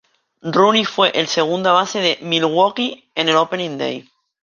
Ronnie fue el segunda base de Milwaukee en el Opening Day.